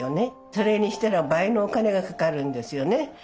それにしたら倍のお金がかかるんですよね